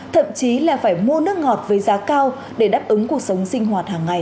thậm chí là phải mua nước ngọt với giá cao để đáp ứng cuộc sống sinh hoạt hàng ngày